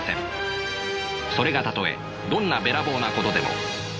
それがたとえどんなべらぼうなことでも。